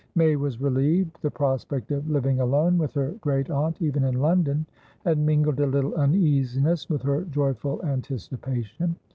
May was relieved. The prospect of living alone with her great aunt, even in London, had mingled a little uneasiness with her joyful anticipation.